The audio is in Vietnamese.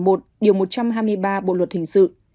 một trăm hai mươi ba bộ luật hình sự